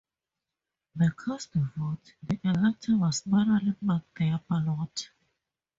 To cast a vote, the elector must manually mark their ballot.